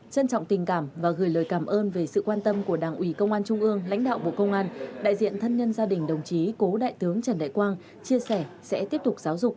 trân trọng tình cảm và gửi lời cảm ơn về sự quan tâm của đảng ủy công an trung ương lãnh đạo bộ công an đại diện thân nhân gia đình đồng chí cố đại tướng trần đại quang chia sẻ sẽ tiếp tục giáo dục